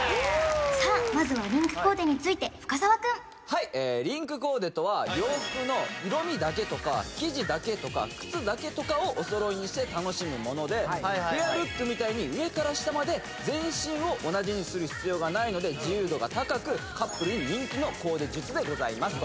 さあまずはリンクコーデについて深澤くんはいリンクコーデとは洋服の色味だけとか生地だけとか靴だけとかをおそろいにして楽しむものでペアルックみたいに上から下まで全身を同じにする必要がないので自由度が高くカップルに人気のコーデ術でございます